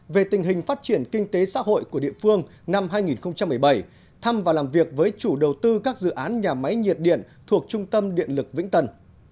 về tình hình phát triển kinh tế xã hội của địa phương năm hai nghìn một mươi bảy thăm và làm việc với chủ đầu tư các dự án nhà máy nhiệt điện thuộc trung tâm điện lực vĩnh tân